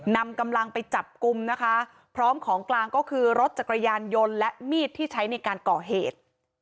นำกำลังไปจับกลุ่มนะคะพร้อมของกลางก็คือรถจักรยานยนต์และมีดที่ใช้ในการก่อเหตุ